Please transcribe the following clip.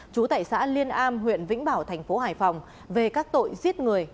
trú tại xã liên am huyện vĩnh bảo thành phố hải phòng về các tội giết người